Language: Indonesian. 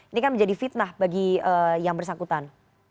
ini kan menjadi fitnah bagi yang bersangkutan